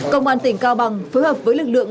công an tỉnh cao bằng phối hợp với lực lượng